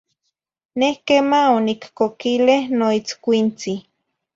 Neh quema oniccoquile noitzcuintzi.